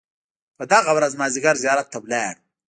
په دغه ورځ مازیګر زیارت ته ولاړو.